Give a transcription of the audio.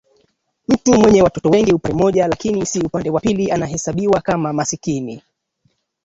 Mtu mwenye watoto wengi upande mmoja lakini si upande wa pili anahesabiwa kama maskini